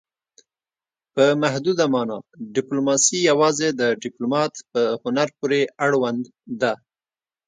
په محدوده مانا ډیپلوماسي یوازې د ډیپلومات په هنر پورې اړوند ده